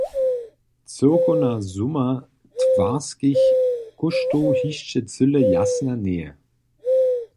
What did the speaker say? Cyłkowna suma twarskich kóštow hišće cyle jasna njeje.